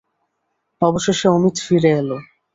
অবশেষে অমিত ফিরে এল।